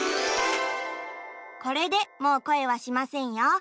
これでもうこえはしませんよ。